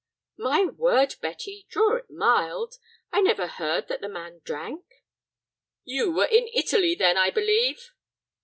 "My word, Betty, draw it mild. I never heard that the man drank." "You were in Italy, then, I believe."